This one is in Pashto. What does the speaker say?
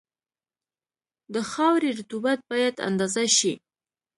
د خاورې رطوبت باید اندازه شي